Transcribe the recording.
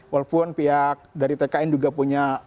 walaupun pihak dari tkn juga punya